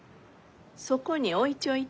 そこに置いちょいて。